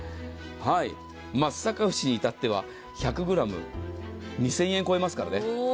松阪牛にいたっては１００ｇ２０００円超えますからね。